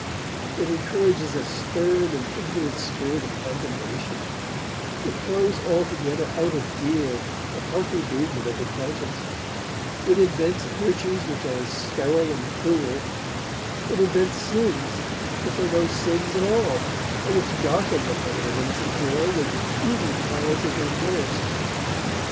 It encourages a stern and ignorant spirit of condemnation; it throws altogether out of gear the healthy movement of the conscience; it invents virtues which are sterile and cruel; it invents sins which are no sins at all, but which darken the heaven of innocent joy with futile clouds of remorse.